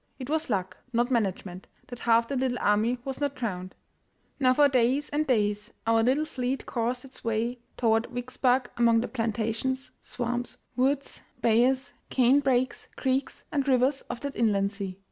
It was luck, not management, that half the little army was not drowned. Now for days and days our little fleet coursed its way toward Vicksburg among the plantations, swamps, woods, bayous, cane brakes, creeks, and rivers of that inland sea.